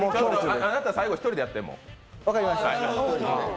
あなた、最後１人でやって。